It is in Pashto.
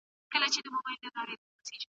که انلاین لارښوونه وي نو ځوانان نه محرومیږي.